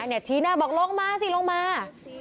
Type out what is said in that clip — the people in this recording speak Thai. เทียบออกลงมาสิลงมา